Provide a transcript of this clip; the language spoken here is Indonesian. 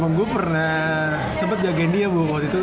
emang gue pernah sempet jagain dia bu waktu itu